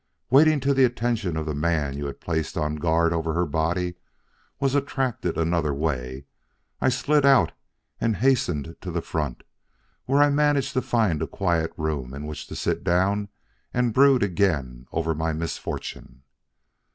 Waiting till the attention of the man you had placed on guard over her body was attracted another way, I slid out and hastened to the front, where I managed to find a quiet room in which to sit down and brood again over my misfortune.